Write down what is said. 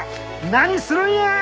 何するんや！